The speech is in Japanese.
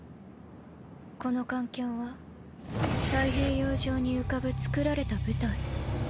この環境は太平洋上に浮かぶ創られた舞台。